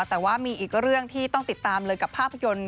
แต่ว่ามีอีกเรื่องที่ต้องติดตามเลยกับภาพยนตร์